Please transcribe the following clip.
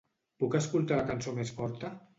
Puc escoltar la cançó més forta?